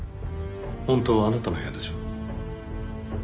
本当はあなたの部屋でしょ？